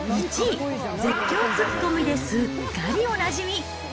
１位、絶叫突っ込みですっかりおなじみ。